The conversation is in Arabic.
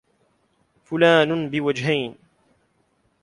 فلان بوجهين